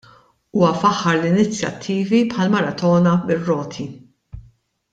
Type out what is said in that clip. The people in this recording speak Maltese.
Huwa faħħar l-inizjattivi bħall-Maratona bir-Roti.